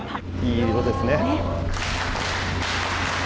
いい色ですね。